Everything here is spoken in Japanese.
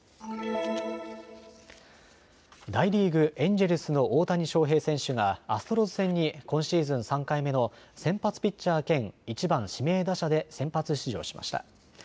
大リーグ、エンジェルスの大谷翔平選手がアストロズ戦に今シーズン３回目の先発ピッチャー兼、１番・指名打者で先発出場しました。